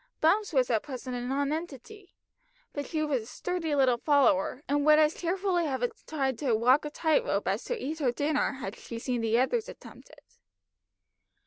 Bumps was at present a nonentity, but she was a sturdy little follower, and would as cheerfully have tried to walk a tight rope as to eat her dinner, had she seen the others attempt it.